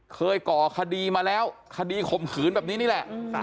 ก่อคดีมาแล้วคดีข่มขืนแบบนี้นี่แหละ